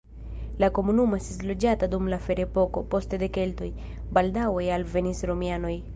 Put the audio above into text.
La komunumo estis loĝata dum la ferepoko, poste de keltoj, baldaŭe alvenis romianoj.